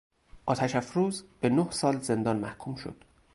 آتش افروز به نه سال زندان محکوم شد.